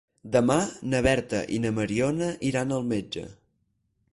Demà na Berta i na Mariona iran al metge.